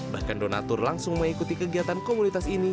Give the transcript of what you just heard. bahkan donatur langsung mengikuti kegiatan komunitas ini